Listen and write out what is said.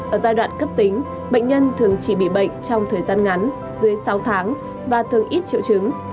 ở giai đoạn cấp tính bệnh nhân thường chỉ bị bệnh trong thời gian ngắn dưới sáu tháng và thường ít triệu chứng